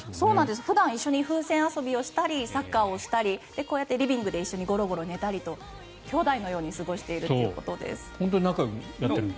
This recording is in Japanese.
普段一緒に風船遊びをしたりサッカーをしたりこうやってリビングでゴロゴロ寝たり兄弟のように過ごしているというそうです。